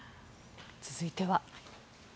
続いては。